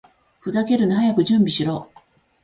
ふざけるな！早く準備しろ！